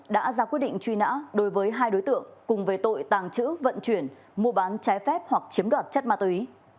đã ra quyết định truy nã đối với hai đối tượng cùng về tội tàng trữ vận chuyển mua bán trái phép hoặc chiếm đoạt chất ma túy